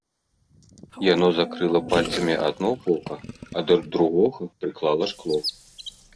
Яно закрыла пальцамі адно вока, а да другога прыклала шкло.